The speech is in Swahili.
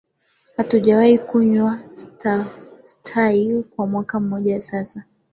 Hatujawahi kunywa staftahi kwa mwaka mmoja sasa